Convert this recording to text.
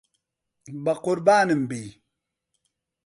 بەقوربانم بی.